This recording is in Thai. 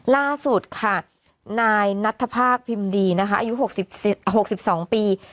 ล่าสุดค่ะนายนัทภาคพิมพ์ดีนะคะอายุหกสิบสิบหกสิบสองปี